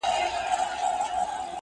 نه د عقل يې خبر د چا منله؛